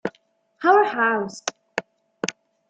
Our House